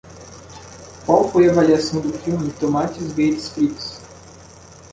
Qual foi a avaliação do filme Tomates Verdes Fritos?